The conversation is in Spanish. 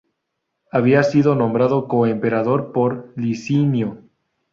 Había sido nombrado coemperador por Licinio.